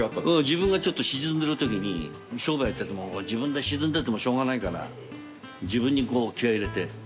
自分がちょっと沈んでるときに商売やってても自分で沈んでてもしょうがないから自分に気合入れて。